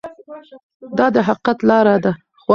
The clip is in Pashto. دا د حقیقت لاره ده.